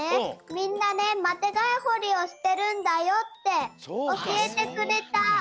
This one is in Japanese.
みんなねマテがいほりをしてるんだよっておしえてくれた。